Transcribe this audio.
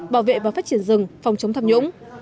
bảo vệ và phát triển rừng phòng chống tham nhũng